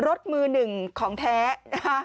รถมือหนึ่งของแท้นะคะ